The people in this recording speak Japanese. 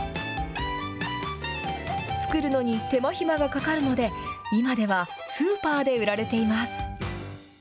作るのに手間暇がかかるので、今ではスーパーで売られています。